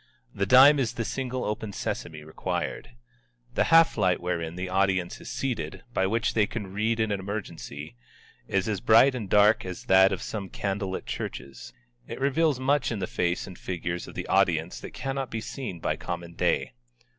The dime is the single open sesame required. The half light wherein the audience is seated, by which they can read in an emergency, is as bright and dark as that of some candle lit churches. It reveals much in the faces and figures of the audience that cannot be seen by common day.